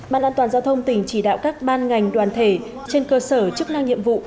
ban an toàn giao thông tỉnh chỉ đạo các ban ngành đoàn thể trên cơ sở chức năng nhiệm vụ